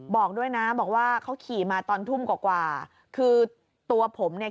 บอกด้วยนะบอกว่าเขาขี่มาตอนทุ่มกว่ากว่าคือตัวผมเนี่ย